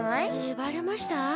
バレました？